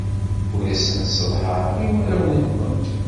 Ur asen-sseḍhareɣ i warraw-nwent.